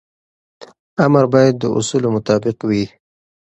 امر باید د اصولو مطابق وي.